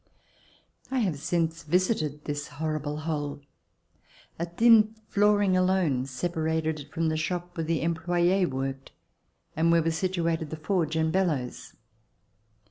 I have since visited this horrible hole. A thin floor ing alone separated it from the shop where the em ployes worked and where were situated the forge and laellows.